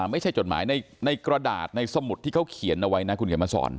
จดหมายในกระดาษในสมุดที่เขาเขียนเอาไว้นะคุณเขียนมาสอน